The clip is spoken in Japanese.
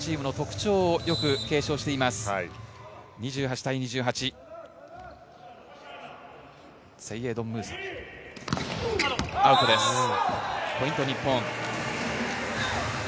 ポイント、日本。